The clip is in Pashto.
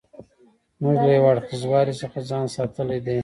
موږ له یو اړخیزوالي څخه ځان ساتلی دی.